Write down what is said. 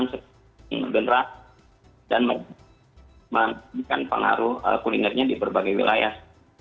terus mengerah dan memiliki pengaruh kulinernya di berbagai wilayah